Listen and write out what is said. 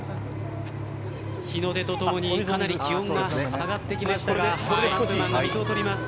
日の出とともにかなり気温が上がってきましたがここで少し、水を取ります。